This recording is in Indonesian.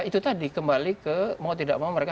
itu tadi kembali ke mau tidak mau mereka